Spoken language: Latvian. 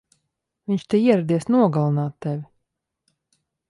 Viņš te ieradies nogalināt tevi!